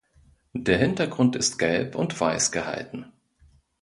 Der Hintergrund ist gelb und weiß gehalten.